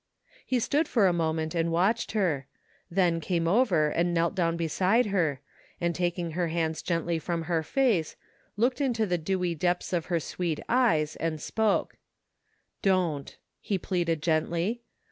He stood for a moment and watched her, then came over and knelt down beside her, and taking her hands gently from her face, looked into the dewy depths of her sweet eyes and spoke :" Don't! " he pleaded gently.